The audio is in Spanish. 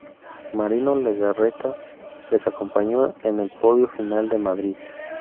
Marino Lejarreta les acompañó en el podio final de Madrid.